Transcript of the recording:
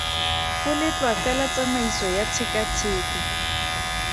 Go letlwa fela tsamaiso ya tshekatsheko.